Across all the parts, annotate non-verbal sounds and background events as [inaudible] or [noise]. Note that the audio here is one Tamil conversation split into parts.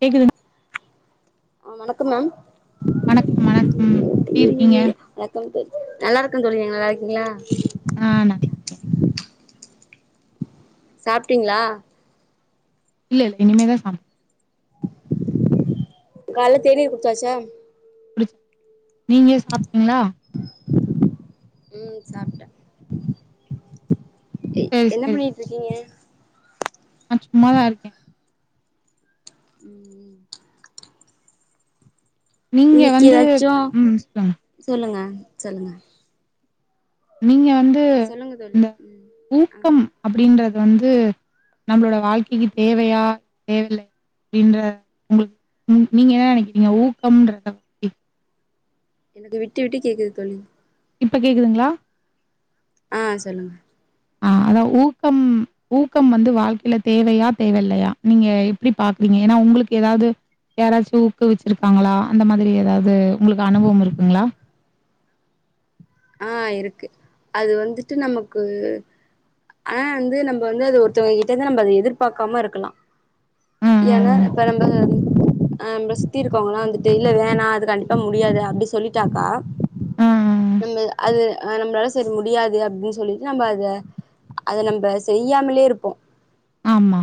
கேக்குதுன ஆ வணக்கம் மேம் வணக்கம வணக்கம் எப்டி இருக்கீங்க நல்லாருக்கேன் தோழி நல்லாருக்கிங்களா ஆ நல் சாப்டீங்களா இல்ல இனிமேதான் சா காலைல தேநீர் குடுச்சாச்சா குடுச் நீங்க சாப்டீங்களா ம் சாப்ட எ சரி என்ன சரி பண்ணிட்டு இருக்கீங்க நா சும்மாதா இருக்கே ம் ம் நீங்க வந்து ம் சொல்லுங்க சொல்லுங்க சொல்லுங்க நீங்க வந் சொல்லுங்க தோழி உம் ஆஹ் அப்டின்றது வந்து நம்மளோட வாழ்க்கைக்கு தேவையா தேவ இல்லையா அப்டின்ற உங்களுக்கு உ நீங்க என்ன நினைக்கிறீங்க ஊக்கம்ன்றத பத்தி எனக்கு விட்டு விட்டு கேக்குது தோழி இப்ப கேக்குதுங்களா ஆ சொல்லுங்க ஆ அதா ஊக்கம் ஊக்கம் வந்து வாழ்க்கைல தேவையா தேவ இல்லயா நீங்க எப்டி பாப்பீங்க ஏன்னா உங்களுக்கு ஏதாவ்து யாராச்சு ஊக்குவிச்சுருக்காங்ளா அந்த மாதிரி எதாவது உங்ளுக்கு அனுபவம் இருக்குங்களா ஆ இருக்கு அது வந்துட்டு நமக்கு ஆ வந்து நம்ப வந்து அது ஒருத்தவங்ககிட்டதா நம்ப அத எதிர்பாக்காம இருக்கலா ம், ஏன்னா ம், ம். இப்ப நம் [unintelligible] ஆஹ் நம்ள சுத்தி இருக்கோங்கல்லா வந்துட்டு இல்ல வேணா அது கண்டிப்பா முடியாது அப்படி சொல்லிட்டாக்கா ம், ம். நம்மது அது ஆ நம்ளால சரி முடியாது அப்டி சொல்லிட்டு நம்ப அத அத நம்ப செய்யாமலே இருப்போ ஆமா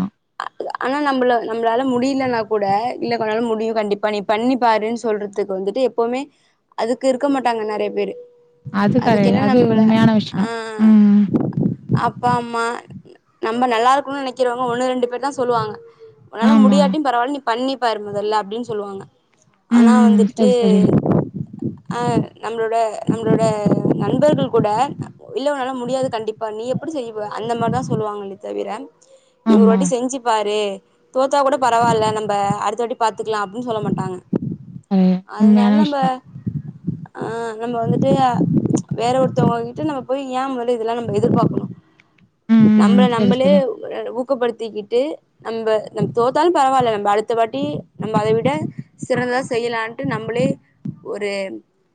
ஆனா நம்ள நம்ளால முடிலனா கூட இல்ல கொனால முடியு கண்டிப்பா நீ பண்ணி பாருன் சொல்றதுக்கு வந்துட்டு எப்பவ்மே அதுக்கு இருக்க மாட்டாங்க நெறைய பேரு அது அதுக்கு கரைய என்ன அது நம்மள உண்மையான ஆ விஷ்யோ உம் அப்பா மா நம்ம நல்லா இருக்குணு நினைக்கிறவ்ங்க ஒண்ணு ரெண்டு பேர் தா சொல்லுவாங்க ஒன்னால ஆமா. முடியாட்டி பரவால நீ பண்ணி பாரு முதல்ல அப்டின் சொல்வாங்க ம், ஆனா ம். வந்துட்டு சரி, சரி. ஆஹ் நம்ளோட நம்ளோட நண்பர்கள் கூட இல்ல உனால முடியாது கண்டிப் பா நீ எப்டி செய்வ அந்த மார்தா சொல்லுவாங்ளே தவிர நீ ஒரு ஆமா. வாட்டி செஞ்சு பாரு தோத்தா கூட பரவால்ல நம்ப அடுத்த வாட்டி பாத்துக்லா அப்டின் சொல்ல மாட்டாங்க அது உண்மையான அதுனால் நம்ப விஷயம். ஆஹ் நம்ம வந்துட்டு அ வேற ஒருத்தவ்ங்க வந்து நம்ம போய் ஏன் மொதலே இதெல்லா நம் எதிர்பாக்ணு ம், நம்ள ம். சரி, நம்பளே சரி. [unintelligible] ஊக் க்க படுத்திக்கிட்டு நம்ப நம் தோத்தாலு பரவால நம்ப அடுத்த வாட்டி நம்ம அத விட சிறந்ததா செய்யலான்ட்டு நம்பளே ஒரு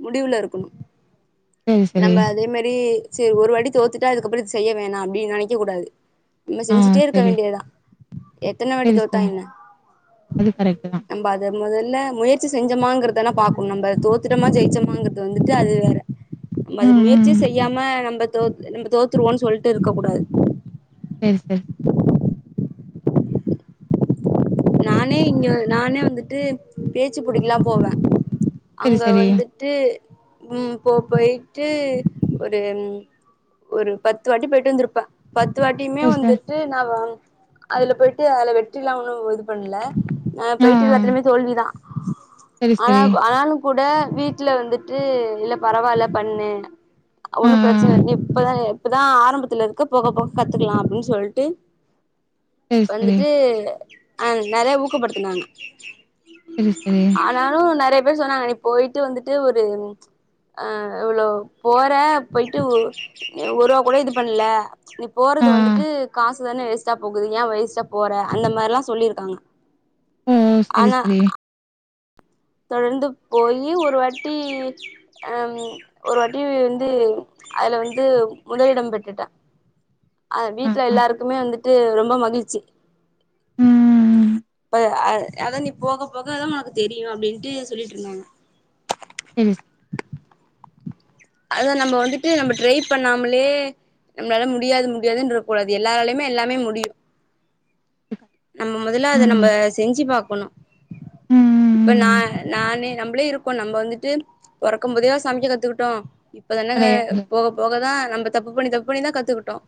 முடிவுல இருக்குணு சரி, சரி. நம்ப அதே மாரி சேர் ஒரு வாட்டி தோத்து டா இதுக்கப்பரொ இது செய்ய வேணா அப்டி நெனைக்க கூடாது நம்ம ஆ செஞ்சுட்டே இருக்க சரி. வேண்டியதா எத்தன வாட்டி சரி, தோத்தா சரி. என்ன அது கரெக்ட்டு தான். நம்ப அத முதல்ல முயற்சி செஞ் தெம்மாங்கிருதனா பாக்குன் நம்ப தோத்துட்டமா ஜெய்ச்சமாங்றது வந்துட்டு அது வேற நம்ம அது ம், முயற்சி ம். செய்யாம நம்பத் [unintelligible] நம்ம தோத்துருவோ சொல்ட்டு இருக்க கூடாது [inaudible] நானே இங்க நானே வந்துட்டு பேச்சு போட்டிக்லா போவே சரி, அங்க சரி. வந்துட்டு உம் போ போய்ட்டு ஒரு ஒரு பத்து வாட்டி போய்ட்டு வந்துருப்ப பத்து வாட்டியுமே சரி, சார். வந்துட்டு நா வா அதுல போய்ட்டு அதுல வெற்றிலா ஒண்ணு இது புண்ல ஆ பேய்ட்டு எலலாத்துலுமே தோல்விதா சரி, சரி. ஆனாகு ஆனாலு கூட வீட்ல வந்துட்டு இல்ல பரவால்ல பண்ணு ஆ, ஒண்ணு ஆ. பிரச்சனல்ல இப்பதா இப்பதா ஆரம்பத்துல இருக்கு போக போக கத்துக்குலா அப்டின் சொல்ட்டு சரி, சரி. வந்துட்டு அ நெறைய ஊக்கப்படுத்துனாங்க சரி, சரி. ஆனாலோ நெறையப் அப்பவே சொன்னாங்க நீ போயிட்டு வந்துட்டு ஒரு அ இவ்ளோ போற போயிட்டு ஒ நீ ஒரூவா கூட இது பண்ல நீ ஆ. போறது வந்துட்டு காசு தான வேஸ்ட்டா போகுது ஏ வேஸ்ட்டா போற அந்த மாரில்லாஸ் சொல்லியிருக்காங்க ம் ம் செரி சரி தொடர்ந்து போயி ஒரு வாட்டி ம் ஒரு வாட்டி வந்து அதுல வந்து முதலிடம் பெற்றுட்ட அ ஆ, வீட்ல ஆ. எல்லாருக்குமே வந்துட்டு ரொம்ப மகிழ்ச்சி ம். இப்ப அ அதா நீ போக போகதா ஒனக்கு தெரியோ அப்டின்ட்டு சொல்லிட்ருந்தாங்க சரி, சரி. அதா நம்ம வந்துட்டு நம்ம ட்ரை பண்ணாமலே நம்ளால முடியாது முடியாதுன்றுக்க கூடாது எல்லாராலயுமே எல்லாமே முடியும் நம்ம மொதல்ல அத நம்ப ம். செஞ்சு பாக்கணோ இப்ப நா ம். நானே நம்பளே இருக்கோ நம்ப வந்துட்டு பொறக்கு போதே வா சமைக்க கத்துக்குட்டோ இப்பதானங்க கிடையாது. போக போகதா நம்ப தப்பு பண்ணி தப் இப்படிதா கத்துக்குட்டோ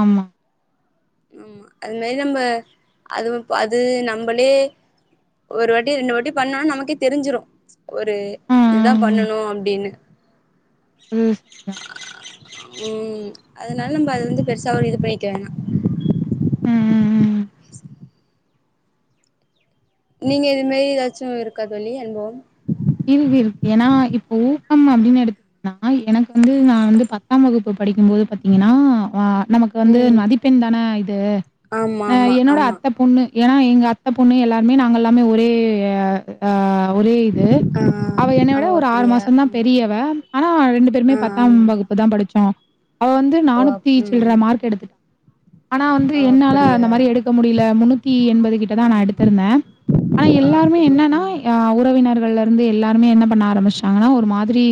ஆமா ஆமா அது மாரி நம்ப அது அது நம்பளே ஒரு வாட்டி ரெண்டு வாட்டி பண்னோண்ணா நமக்கே தெரிஞ்சிறோ ஒரு ஆ, ஆ, இதுதா பண்ணணோ அப்டின்னு ம் ம் அதனால நம்ப அத வந்து பெருசா ஒரு இது பண்ணிக்க வேணா ம், ம், ம். நீங்க இது மேரி ஏதாச்சு இருக்கா தோலி அனுபவம் இருக் இருக் ஏன்னா இப்ப ஊக்கம் அப்டின்னு எடுத்துன்னா எனக்கு வந்து நா வந்து பத்தாம் வகுப்பு படிக்கும் போது பாத்தீங்கன்னா வ நமக்கு வந்து ம் மதிப்பெண் தான இது ஆமா அ ஆமா என்னோட ஆமா அத்த பொண்ணு ஏன்னா எங்க அத்த பொண்ணு எல்லாருமே நாங்கெல்லாமே ஒரே அ அ அவரே இது அவ என்ன ஆ ஓ விட ஒரு ஆறு அப்டியா மாசந்தா ம் பெரியவ ஆனா ரெண்டு பேருமே ஆ ஆம் பத்தாம் வகுப்பு தா படிச்சோ அவ வந்து ஓ நானூத்தி சில்ற ம் மார்க் எடுத்துட் ஆனா வந்து ஓ என்னால அந்த அப்டியா மாரி எடுக்க முடில முன்னூத்தி என்பது கிட்டதா நா ஆமா எடுத்திருந்தே ஆனா ஓ எல்லாருமே அப்டியா என்னன்னா ம் அ உறவினர் இருந்து எல்லாருமே என்ன பண்ண ஆரம்பிச்சாங்கனா ஒரு மாதிரி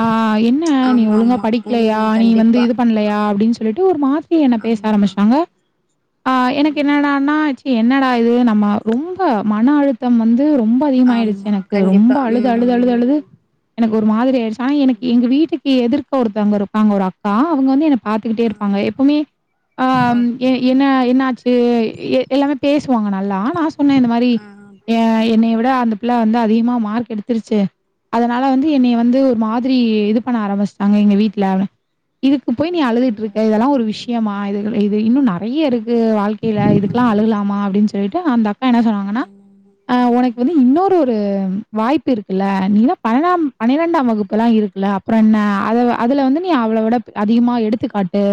ஆ என்ன நீ ஆமா ஒலுங்கா ஆமா படிக்கலயா ம் நீ வந்து கண்டிப்பா இது பண்லயா அப்டின்னு ம் சொல்லிட்டு ஒரு மாதிரி என்ன பேச ஆமா ஆமா ஆரம்பிஸ்ட்டாங்க ஆ எனக்கு ஆமா ஆமா என்னடானா என்னடா இது நம்ம ரொம்ப மன அழுத்தம் வந்து து ரொம்ப அதிகமாயிடுச்சு ஆமா எனக் இது ரொம்ப கண்டிப்பா அழுது அழுது அழுது ம் ஆமா ஆமா அழுது எனக்கு ஒரு மாதிரி ஆயிடுச்சு ஆனா எனக்கு எங்க வீட்டுக்கு எதிர்க ஒருத்தங்கருப்பாங்க ஒரு அக்கா அவங்க வந்து என்ன பாத்துக்கிட்டேருப்பாங்க ஆ எப்போமே ஆ ஓகே எ என்ன ம் என்னாச்சு எ எ எல்லாமே வாங்க நல்லா நா சொன்னே இந்த மாரி ஆ ஏ அப்ப என்னையவிட ம் அந்த புள்ள வந்து அது மா மார்க் எடுத்துருச்சு அதனால வந்து ஆ என்னைய வந்து ஒரு மாதிரி இது பண்ண ஆரம்பிச்ட்டாங்க எங்க வீட்ல அவன் இதுக்கு போய் ஓ நீ அப்டியா அழுதுட்ருக்க இதெல்லா ஒரு விஷயமா ம் இது இது இன்னு ந பைய ருக் கு வாழ்க்கைல இதுக்கெலா ஆமா அழுலாமா அப்டின் சொல் [unintelligible] அந்த ஆ என்ன சொன்னா ங்கனா ஆமா ஆ ஒனக்கு ம் வந்து இன்னொரு [unintelligible] வாய்ப்பு இருக்குல நீலா பன்னென்டாம் பன்னிரெண்டாம் வகுப்பு எல்லா இருக்குல அப்பற என்ன அத அதுல வந்து நீ அவள விட அதிகமா எடுத்துக்காட்டு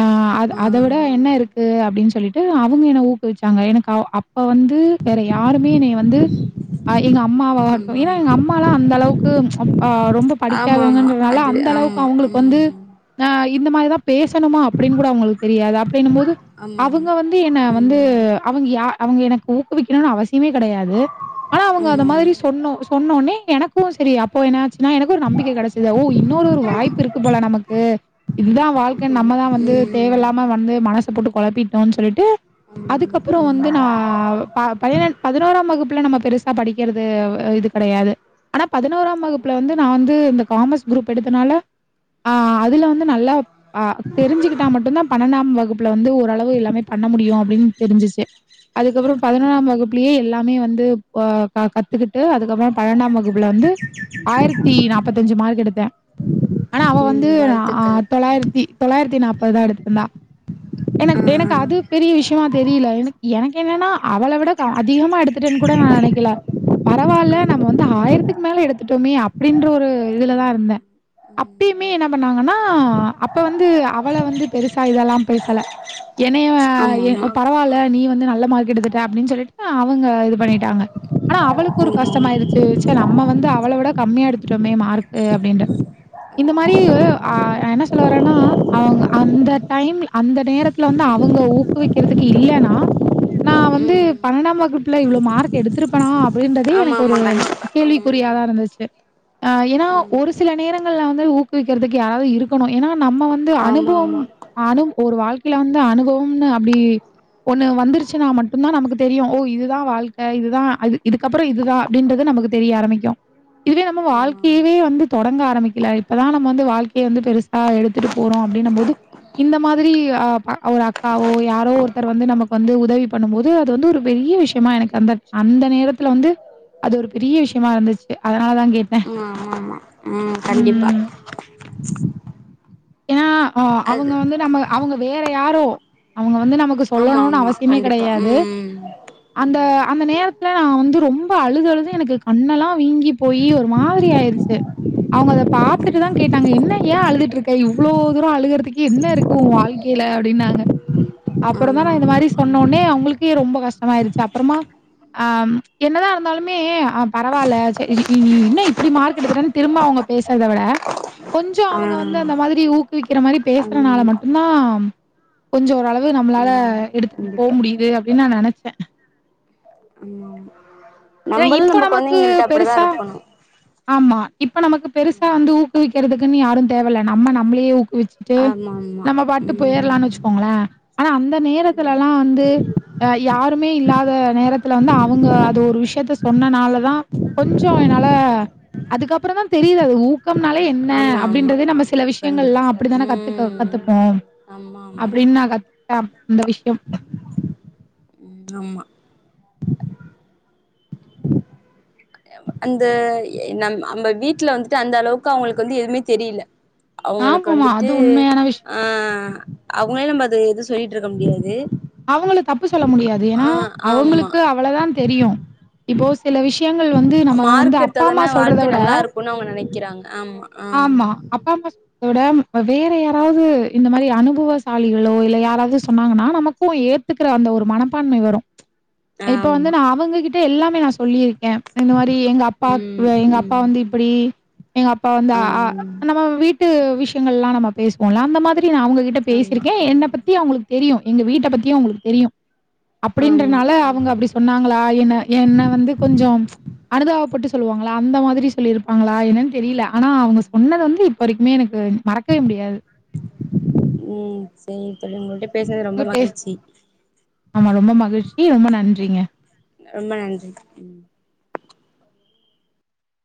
ஆ அத ஆ அத விட என்ன இருக்கு ப்டின்னு சொல்லிட்டு அவுங்க என்ன ஊக்குவிச்சாங்க எனக்கு அவ் அப்ப வந்து வேற யாருமே நீ வந்து ஆ எங்க அப் [unintelligible] ஏனா எங்க அம்ம லா அந்த அளவுக்கு ஆ ரொம்ப ஆமா ஆமா ஆமா ஆமா படிக்காதவங்கனால அது அந்த அளவுக்கு ஆமா அவுங்களுக்கு வந்து ம் ஆ ஆ இந்த மாரி தா பேசணுமா அப்டின் கூட அவங்களுக்கு தெரியாது அப்டின்னும் போது ஆமா அவுங்க ஆமா வந்து என்ன வந்து ம் அவங்கியா அவுங்க எனக்கு ஊக்குவிக்கிறணு அவஸ் [unintelligible] கெடையாது ஆனா அவங் அது ஆமா மாரி ஆமா சொன்னோ சொன்னோனே எனக் போ சரி அப்போ எனாச் ன்னா எனக்கு ஒரு நம்பிக்கை கெடைச்சது ஓ இன்னொரு ரு வாய்ப்பு இருக்கு போல நமக்கு இதுதா வாழ்க்க ஆமா நம்மதா வந்து ம் தேவைல்லாம வந்து மனச போட்டு குழப்பிட்டோன் சொல்லிட்டு ஆமா ஆமா அதுக்கப்பற ம் வந்து ஆமா நா ஆமா ப பதினென் பதினோராம் வகுப்புல நம்ம அ படிக்கிறது இது கெடையாது ஆனாப் பதினோரா வகுப்புல வந்து நா வந்து இந்த காமஸ் குரூப் எடுத்தனால ஆ அதுல வந்து நல்லா ஆ தெரிஞ்சுகிட்டா மட்டுந்தா பன்னென்டாம் வகுப் ப்ல வந்து ஓரளவு எல்லாமே பண்ண முடியு அப்டின் தெரிஞ்சிச்சு அதுக்கபுற ஆ பதினொனா ம் வகுப்புலயே எல்லாமே வந்து ஓ க- கத்துக்கிட்டு அதுக்கபுற பன்னென்டா வகுப்பு புல வந்து ஆயிரத்தி நாப்பத்தஞ்சு மார்க் எடுத்தே ஆனா அவ வந்து ஆ வாழ்த்துக்கள் தொள்ளாயிரத்தி தொள்ளாயிரத்தி நாப்பது தா எடுத்துருந்தா ஆ எனக் எனக்கு அது பெரிய விஷயமா தெரியல எனக் எனக்கு என்னன்னா அவள விட க அதிகமா எடுத்துட்டேன்னு கூட நா நெனைக்கல ஆ பரவால்ல ஆமா நம்ம வந்து ஆயிரத் இதுக்கு மேல எடுத்துட்டோமே அப்படின்ற ஒரு இதுலதா இருந்த அப்பியுமே என்ன பண்ணாங்கனா ஆ அப்ப வந்து அவள வந்து பெருசா இதெல்லா பேசல என்னைய ஆமா எ ஆமா பரவால்ல நீ வந்து நல்ல மாதி கிட்டதட்ட அப்டின் சொல்லிட்டு அவங்க இது பண்ணிட்டு [unintelligible] ஆனா அவளுக்கு ஆமா ஒரு கஷ்டமாயுருச்சு [unintelligible] நம்ம வந்து அவள விட கம்மியா எடுத்துட்டோமே மார்க்கு அப்டினு இந்த மாரி அ என்ன சொல்ல வரன்னா அந்த டைம் அந்த நேரத்துல வந்து அவங்க ஊக்குவிக்குறதுக்கு இல்லன்னா நா வந்து ம் பண்ணெண்டாம் வகுப்புல இவ்ளோ மார்க் எடுத்துருப்பனா அப்டின்றதே எனக்கு ஒரு கேள்விக்குறியாதாருந்துச்சு ஆ ஏனா ஒரு சில நேரங்கள்ல வந்து ஊக்குவிக்கிறதுக்கு யாராது இருக்கணு ஏனா நம்ம வந்து ஆமா ஆமா கண்டிப்பா ம் ம் ஆமா ஆமா ஆமா அனுபவம் ஆமா அனு ஒரு வாழ்க் [unintelligible] வந்து அனுபவம்னு அப்டி ஒண்ணு வந்துருச்சுன்னா மட்டுதா நமக்கு தெரியு ஓ இதுதா வாழ்க்கை க இதுதா அது இதுக்கப்புற இதுதா அப்டின்றது நமக்கு தெரிய ஆரம்பிக்கு இதுவே நம்ம ம் வாழ்க்கையவே வந்து தொடங்க ஆரம்பிக்கல இப்பதா நம்ம வந்து வாழ்க்கைய வந்து பெருசா எடுத்துட்டு போறோ அப்டின்னு போது இந்த மாதிரி ஆ ஒரு அக்காவோ யாரோ ஒருத்தர் வந்து நமக்கு வந்து உதவி பண்ணு போது அது வந்து ஒரு பெரிய விஷயமா எனக்கு அந்த அந்த நேரத்துல வந்து அது ஒரு பெரிய விஷயமாருந்துச்சு அதனாலதா கேட்ட ஆமா ஆமா ம் கண்டிப்பா ஏனா ஆ அவங்க அது வந்து நம்ம அவங்க வேற யாரோ அவங்க வந்து நமக்கு ஆமா சொல்லணுனு ஆமா அவசியமே கண்டிப்பா கெடையாது ம் அந்த அந்த நேரத்துல நா வந்து ரொம்ப அழுது அழுது எனக்கு கண்ணெல்லா வீங்கி போயி ஒரு மாதிரி ஆயிருச்சு அவங்க அத பாத்தட்டுதா கேட்டாங்க என்ன ஏன் அழுதுட்ருக்க இவ்ளோ தூர அழுகுறதுக்கு என்னருக்கு உன் வாழ்க்கைல அப்டின்னாங்க ஆமா அப்றதா நா ஆமா இந்த மாரி சொன்னோனே அவங்களுக்கே ரொம்ப கஷ்டமாயிடுச்சு அப்றமா ஆ என்னதாருந்தாலுமே ஆ பரவால்ல செரி இ வி என்ன இப்டி மார்க் எடுத்துட்டன்னு திரும்ப அவங்க பேசுறத விட கொஞ்சோ அவங்க ஆமா வந்து அந்த மாதிரி ஊக்குவிக்கிற மாரி ஆமா ஆமா ஆமா ஆ பேசுறனால ஆமா மட்டுதா கொஞ்சோ ஓரளவு நம்மளால ஆமா எடுத்துட்டு போக ஆமா முடியுது அப்டின்னு நா நினைச்சே ஆமா கண்டிப்பா ஆமா ஆமா ஏ நம்மளு இப்ப நம்ம நமக்கு கொழந்தைங்கள்ட்ட அப்டிதா பெருசா இருக்கணு ஆமா இப்ப நமக்கு பெருசா வந்து ஊக்குவிக்கறதுக்கு [unintelligible] யாரு தேவல்ல நம்ப நம்ளே உக்கு ச்சுட்டு ஆமா ஆமா நம்ம பாட்டு ம் போயிடலானு வச்சுக்கோங்களேன் ஆனா அந்த நேரத்துலலா ம் வந்து யாருமே இல்லாத அந்த நேரத்துல வந்து அவங்க அது ஒரு விஷய [unintelligible] சொன்னனால தா கொஞ்சோ என்னால அதுக்கப்புறதா தெரியு அது உ கம்னாலே என்ன ஆமா ஆமா அப்டின்றத நம்ம சில விஷயங்கள கண்டிப்பா அப்டித்தான கத்துக்க ம் கத்துப்போ ஆமா ஆமா அப்டின்னு ந பம் இந்த விஷயம் ம் ஆமா அந்த ய நம் நம்ம வீட்டுல வந்துட்டு அந்த அளவுக்கு அவங்களுக்கு வந்து எதுவுமே தெரில அவங்களுக்கு ஆமாமா. வந்துட்டு அது உண்மையான விஷயம். அஹ் அவங்களல்ல [unintelligible] தேதி சொல்லிட்டு இருக்க முடியாது அவங்கள தப்பு சொல்ல முடியாது ஏன்னா ஆ ஆமா அவங்களுக்கு அவ்ளதா தெரியு இப்போ சில விஷயங்கள் வந்து நம்ம வந்து மார்க் அப்பா அம்மா சொல்றத விட கிரங் ஆமா அப்பா அம்மா [unintelligible] இப்போ வேற யாராவது இந்த மாரி அனுபவசாலிகளோ இல்ல யாராவது சொன்னாங்கன்னா நமக்கு ஏத்துக்கற அந்த ஒரு மனப்பான்மை வரும் இப்ப வந்து ஆமா நா அவங் கிட் எல்லாமே நா சொல்லியிரு ஏ இந்த மாரி எங்க அப்பா ம் ஆ எங்க அப்பா ம் வந்து இப்படி எங் அப் அப்பா வந்த ஆ ஆம் நம்ம வீட் பக் ட்டு விஷயங்கள் எல்லாம் நம்ம பேசுவோம்ல அந்த மாதிரி [unintelligible] அவங்க கிட்ட ஆமா பேசிருக்கேன் என்னை ம் பத்தி அவங்களுக்கு தெரியும் எங்க வீட்ட பத்தியும் அவங்களுக்கு தெரியும் ஆமா அப்படின்றனால அவங்க ம் அப்படி சொன்னாங்களா என்ன என்னை வந்து கொஞ்சம் அனுதாபப் பட்டு சொல்லுவாங்களா அந்த மாதிரி சொல்லியிருப்பாங்களா என்னன்னு தெரியல ஆனா அவங்க சொன்னது வந்து இப்ப வரைக்குமே எனக் க்கு மறக்கவே முடியாது ம் சேரி விடு பேசனது ரொம்ப உங்க பேச மகிழ்ச்சி ஆமா ரொம்ப மகிழ்ச்சி. ரொம்ப நன்றிங்க. ரொம்ப நன்றி ம்